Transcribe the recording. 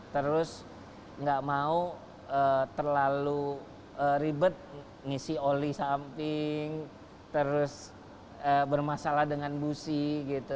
terus nggak mau terlalu ribet ngisi oli samping terus bermasalah dengan busi gitu